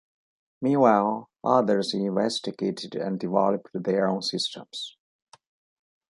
Meanwhile, others investigated and developed their own systems.